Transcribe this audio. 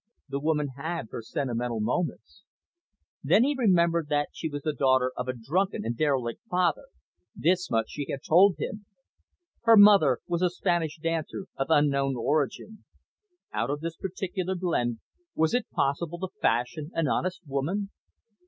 The woman had her sentimental moments. Then he remembered that she was the daughter of a drunken and derelict father this much she had told him. Her mother was a Spanish dancer of unknown origin. Out of this peculiar blend, was it possible to fashion an honest woman.